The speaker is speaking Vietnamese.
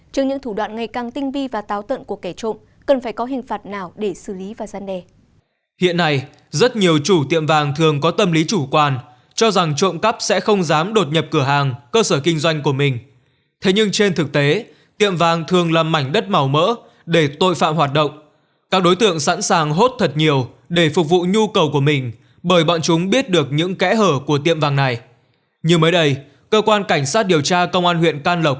trước những thủ đoạn ngày càng tinh vi và táo tận của kẻ trộm cần phải có hình phạt nào để xử lý và giăn đề